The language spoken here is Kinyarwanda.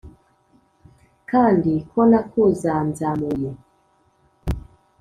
kandi ko nakuzanzamuye